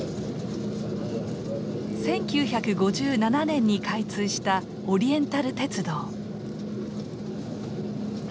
１９５７年に開通したオリエンタル鉄道。